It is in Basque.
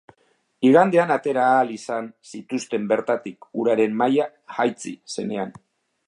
Igandean atera ahal izan zituzten bertatik, uraren maila jaitsi zenean.